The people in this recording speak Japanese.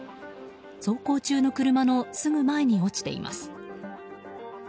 走行中の車のすぐ前に落ちています。